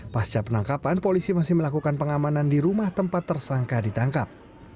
pasca penangkapan polisi masih melakukan pengamanan di rumah tempat tersangka ditangkap